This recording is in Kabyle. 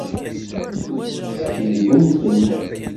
Skeydemt-ten.